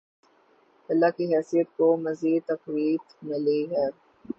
اللہ کی حیثیت کو مزید تقویت ملی ہے۔